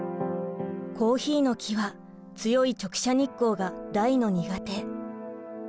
コーヒーの木は強い直射日光が大の苦手。